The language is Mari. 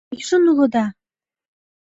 Ӱжын улыда?